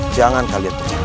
jangan kalian pecah beli